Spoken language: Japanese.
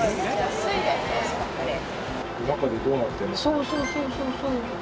そうそうそうそうそう。